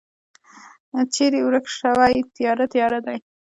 چیری ورک شوی تیاره، تیاره ده